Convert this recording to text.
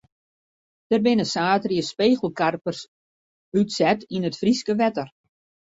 Der binne saterdei spegelkarpers útset yn it Fryske wetter.